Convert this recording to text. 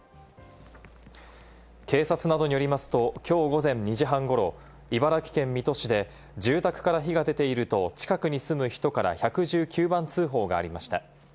警察などによりますと、きょう午前２時半ごろ、茨城県水戸市で住宅から火が出ていると近くに住む人から１１９番通報がありました。